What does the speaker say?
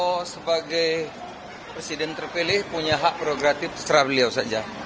beliau sebagai presiden terpilih punya hak progratif secara beliau saja